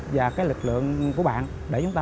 và cái lực lượng của bạn để chúng ta